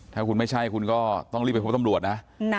ถ้าคุณไม่ใช่คุณก็ต้องรีบไปพบตำรวจนะ